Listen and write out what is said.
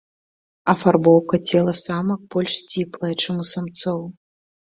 Афарбоўка цела самак больш сціплая, чым самцоў.